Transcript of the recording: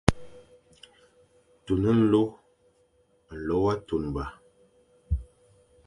Tun nlô, nlô wa tunba.